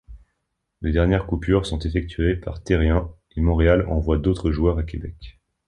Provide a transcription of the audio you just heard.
Les dernières coupures sont effectués par Therrien et Montréal envoie d’autres joueurs à Québec.